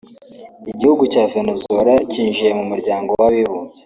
Igihugu cya Venezuela cyinjije mu muryango w’abibumbye